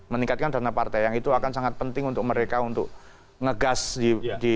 meningkatkan dana partai yang itu akan sangat penting untuk mereka untuk ngegas di